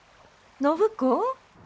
暢子？